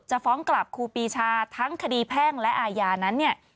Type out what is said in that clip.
ฟ้องกลับครูปีชาทั้งคดีแพ่งและอาญานั้นเนี่ย